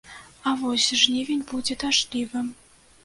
А вось жнівень будзе дажджлівым.